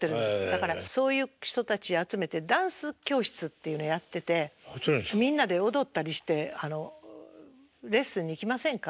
だからそういう人たち集めてダンス教室っていうのやっててみんなで踊ったりしてレッスンに行きませんか？